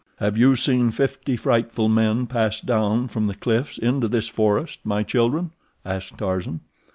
"Have you seen fifty frightful men pass down from the cliffs into this forest, my children?" asked Tarzan.